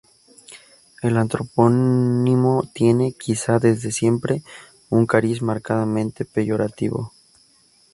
El antropónimo tiene, quizá desde siempre, un cariz marcadamente peyorativo.